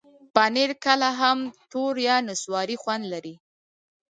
پنېر کله هم تور یا نسواري خوند لري.